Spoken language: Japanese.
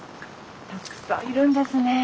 たくさんいるんですね。